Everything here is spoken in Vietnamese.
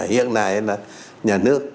hiện nay là nhà nước